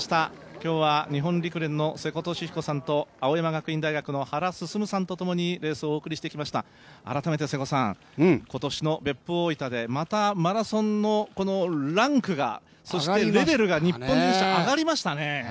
今日は日本陸連の瀬古利彦さんと青山学院大学の原晋さんとともレースをお送りしてきました、改めて瀬古さん、今年の別府大分でまたマラソンのランクが、そしてレベルが日本人上がりましたね。